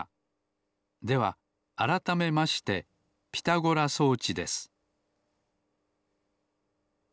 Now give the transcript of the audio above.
ではあらためましてピタゴラ装置です